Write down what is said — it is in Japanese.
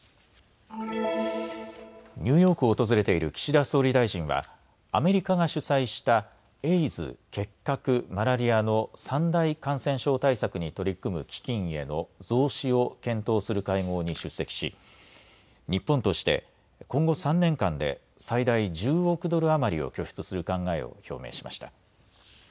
ニューヨークを訪れている岸田総理大臣はアメリカが主催したエイズ、結核、マラリアの三大感染症対策に取り組む基金への増資を検討する会合に出席し日本として今後３年間で最大１０億ドル余りを拠出する考えを表明しました。